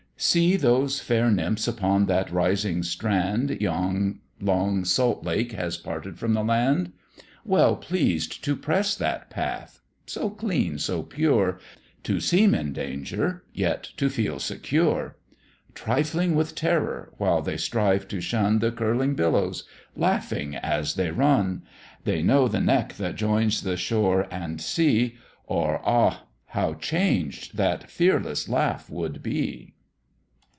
See! those fair nymphs upon that rising strand, Yon long salt lake has parted from the land; Well pleased to press that path, so clean, so pure, To seem in danger, yet to feel secure; Trifling with terror, while they strive to shun The curling billows; laughing as they run; They know the neck that joins the shore and sea, Or, ah! how changed that fearless laugh would be.